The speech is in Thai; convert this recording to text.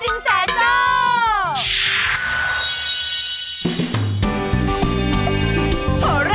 โหลาซับบายซินแสโจ๊ก